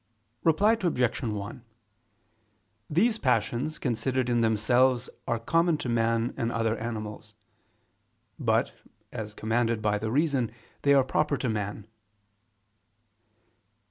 Reply Obj. 1: These passions, considered in themselves, are common to man and other animals: but, as commanded by the reason, they are proper to man.